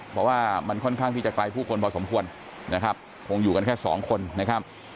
เพราะว่ามันค่อนข้างที่จะไกลผู้คนพอสมควรนะครับคงอยู่กันแค่สองคนนะครับ